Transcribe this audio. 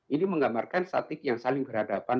ini menggambarkan statik yang saling berhadapan